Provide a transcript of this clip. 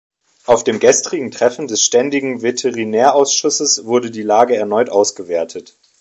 Auf dem gestrigen Treffen des Ständigen Veterinärausschusses wurde die Lage erneut ausgewertet.